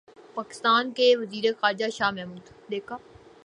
پاکستان کے وزیر خارجہ شاہ محمود